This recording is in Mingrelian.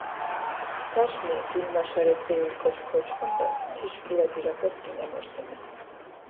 თაშნე, გილმაშარე წირილ კოჩი ქორჩქუნდა, თიშ კილაძირაფას გინამორსენა.